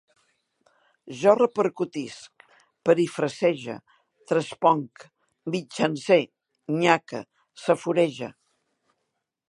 Jo repercutisc, perifrasege, trasponc, mitjance, nyaque, saforege